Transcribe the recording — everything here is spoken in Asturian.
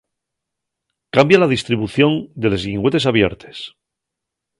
Cambia la distribución de les llingüetes abiertes.